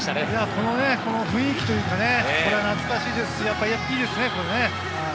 この雰囲気というか、これ懐かしいですし、やっぱりいいですね。